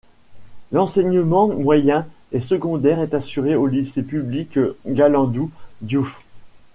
L'enseignement moyen et secondaire est assuré au Lycée public Galandou Diouf.